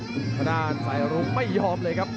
ผู้ดีด้านของในซายลุงไม่ยอมเลยครับ